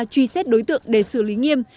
truy xét đối tượng để xử lý nghiêm